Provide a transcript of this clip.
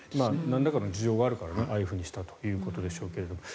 なんらかの需要はあるからああいうふうにしたということでしょうけどもね。